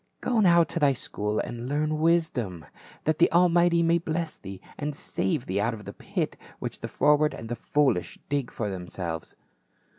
" Go now to thy school and learn wisdom, that the Almighty may bless thee, and save thee out of the pit which the froward and the foolish dig for themselves."